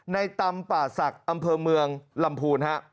ในตำป่าศักดิ์อำเภอเมืองลำพูนฮะ